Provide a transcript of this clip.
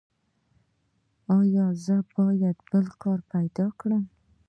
ایا زه باید بل کار پیدا کړم؟